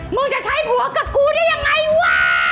มึงจะใช้ผัวกับกูได้ยังไงวะ